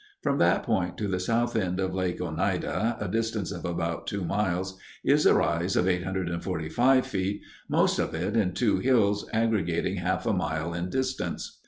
From that point to the south end of Lake Oneida, a distance of about two miles, is a rise of 845 feet, most of it in two hills aggregating half a mile in distance.